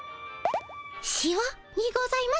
シワにございますか。